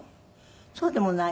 そうでもない？